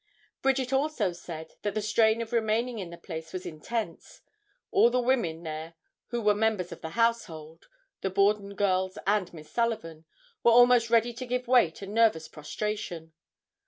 Bridget also said that the strain of remaining in the place was intense. All the women there who were members of the household—the Borden girls and Miss Sullivan—were almost ready to give way to nervous prostration.